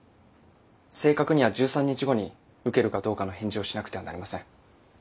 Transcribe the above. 正確には１３日後に受けるかどうかの返事をしなくてはなりません。